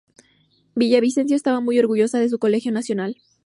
Villavicencio estaba muy orgullosa de su colegio nacional.